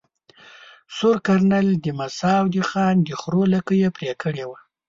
سور کرنېل د مساو د خان د خرو لکې ېې پرې کړي وه.